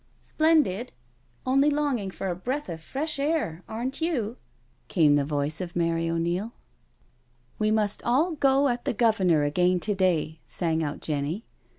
'* Splendid — only longing for a breath of fresh air, aren't you?" came the voice of Mary O'Neil. " We must all go at the Governor again to day, sang out Jenny.